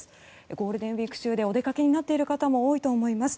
ゴールデンウィーク中でお出かけになっている方も多いと思います。